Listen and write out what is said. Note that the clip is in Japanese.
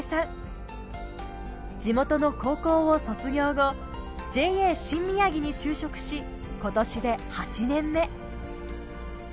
地元の高校を卒業後ＪＡ新みやぎに就職し今年で８年目。